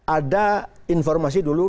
ada informasi dulu